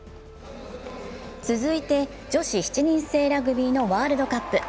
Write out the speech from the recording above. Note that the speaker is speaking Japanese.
続いて女子７人制ラグビーのワールドカップ。